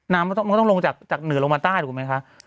น้ำมันก็ต้องลงจากเหนือลงมาใต้ถูกไหมคะ